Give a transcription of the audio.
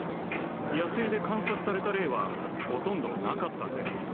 野生で観察された例はほとんど無かったんです。